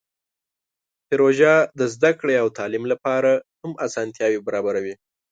پروژه د زده کړې او تعلیم لپاره هم اسانتیاوې برابروي.